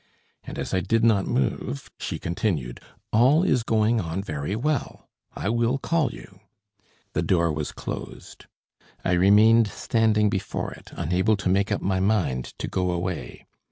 And as I did not move, she continued: "All is going on very well. I will call you." The door was closed. I remained standing before it, unable to make up my mind to go away.